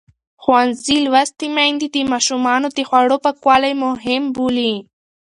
ښوونځې لوستې میندې د ماشومانو د خوړو پاکوالی مهم بولي.